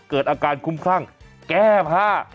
เกิดอาการคุ้มคลั่งแก้ผ้า